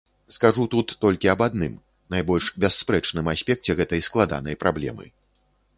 Скажу тут толькі аб адным, найбольш бясспрэчным аспекце гэтай складанай праблемы.